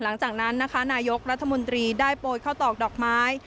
นายกรัฐมนตรีได้โปยข้าวตอกดอกไม้